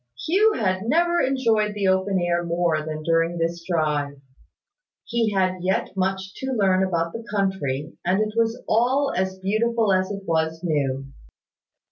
Hugh had never enjoyed the open air more than during this drive. He had yet much to learn about the country, and it was all as beautiful as it was new.